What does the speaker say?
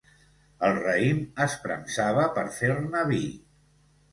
El raïm es premsava per fer-ne vi.